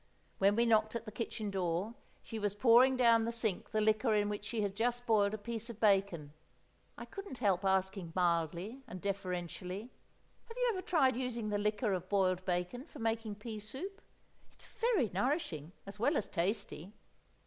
When we knocked at the kitchen door, she was pouring down the sink the liquor in which she had just boiled a piece of bacon. I couldn't help asking mildly and deferentially: "Have you ever tried using the liquor of boiled bacon for making pea soup? It's very nourishing, as well as tasty."